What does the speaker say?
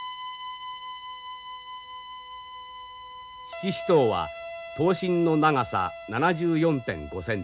七支刀は刀身の長さ７４．５センチ。